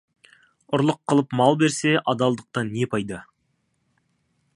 Ұрлық қылып, мал берсе, адалдықтан не пайда?